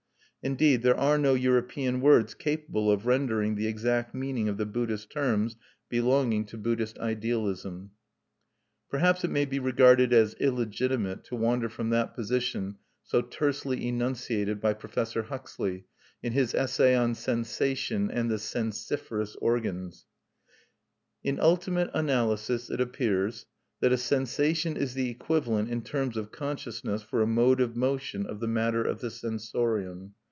Indeed, there are no European words capable of rendering the exact meaning of the Buddhist terms belonging to Buddhist Idealism. Perhaps it may be regarded as illegitimate to wander from that position so tersely enunciated by Professor Huxley in his essay on "Sensation and the Sensiferous Organs:" "In ultimate analysis it appears that a sensation is the equivalent in terms of consciousness for a mode of motion of the matter of the sensorium.